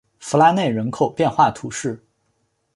弗拉内人口变化图示